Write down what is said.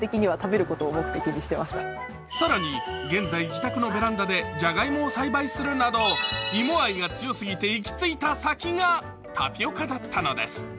更に、現在、自宅のベランダでじゃがいもを栽培するなど芋愛が強すぎて、行き着いた先がタピオカだったのです。